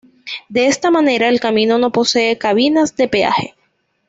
De esta manera el camino no posee cabinas de peaje.